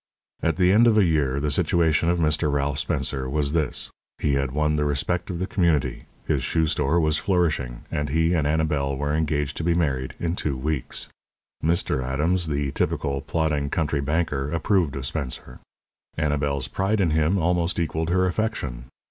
At the end of a year the situation of Mr. Ralph Spencer was this: he had won the respect of the community, his shoe store was flourishing, and he and Annabel were engaged to be married in two weeks. Mr. Adams, the typical, plodding, country banker, approved of Spencer. Annabel's pride in him almost equalled her affection.